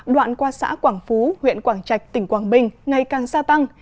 đoạn qua xã quảng phú huyện quảng trạch tỉnh quảng bình ngày càng gia tăng